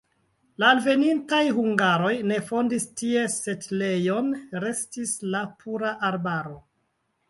La alvenintaj hungaroj ne fondis tie setlejon, restis la pura arbaro.